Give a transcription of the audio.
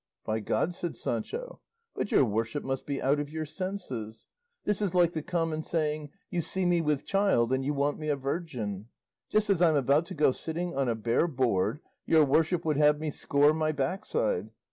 "By God," said Sancho, "but your worship must be out of your senses! This is like the common saying, 'You see me with child, and you want me a virgin.' Just as I'm about to go sitting on a bare board, your worship would have me score my backside!